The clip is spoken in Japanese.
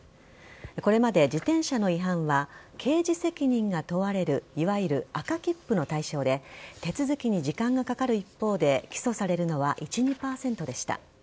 これまで自転車の違反は刑事責任が問われるいわゆる赤切符の対象で手続きに時間がかかる一方で起訴されるのは１２％でした。